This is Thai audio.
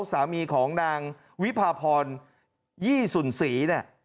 สามีของนางวิพาพรยี่สุนศรีเนี่ย